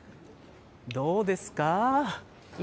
どうですか。